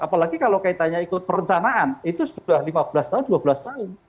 apalagi kalau kaitannya ikut perencanaan itu sudah lima belas tahun dua belas tahun